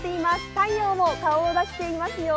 太陽も顔を出していますよ。